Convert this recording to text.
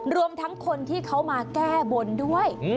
รวมทั้งคนที่เขามาแก้บนด้วย